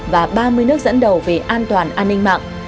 và ba mươi nước dẫn đầu về an toàn an ninh mạng